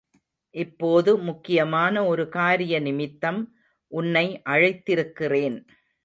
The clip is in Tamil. இப்போது முக்கியமான ஒரு காரிய நிமித்தம் உன்னை அழைத்திருக்கிறேன்.